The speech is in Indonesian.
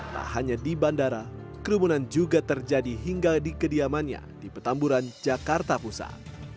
tak hanya di bandara kerumunan juga terjadi hingga di kediamannya di petamburan jakarta pusat